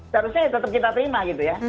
seharusnya ya tetap kita terima gitu ya